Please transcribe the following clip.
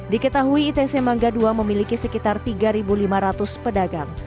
diketahui itc mangga ii memiliki sekitar tiga lima ratus pedagang